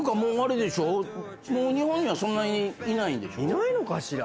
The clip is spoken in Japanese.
いないのかしら。